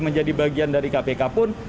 menjadi bagian dari kpk pun